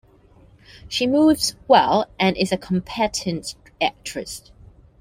She moves well and is a competent actress.